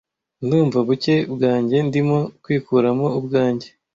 ndumva buke bwanjye ndimo kwikuramo ubwanjye